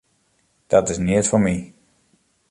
Dat is neat foar my.